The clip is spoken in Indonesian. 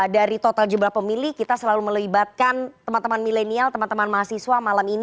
dari total jumlah pemilih kita selalu melibatkan teman teman milenial teman teman mahasiswa malam ini